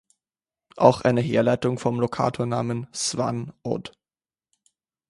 Auch eine Herleitung vom Lokatornamen "Svan" od.